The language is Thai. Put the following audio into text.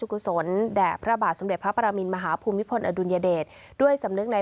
กุศลแด่พระบาทสมเด็จพระปรมินมหาภูมิพลอดุลยเดชด้วยสำนึกใน